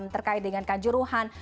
terkait dengan kanjuruhan